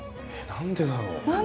何でだろう。